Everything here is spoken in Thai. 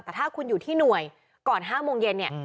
แต่ถ้าคุณอยู่ที่หน่วยก่อน๕โมงเย็นเนี่ย